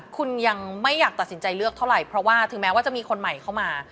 คุณยังไม่อยากตัดสินใจเลือกเท่าไหร่เพราะว่าถึงแม้ว่าจะมีคนใหม่เข้ามา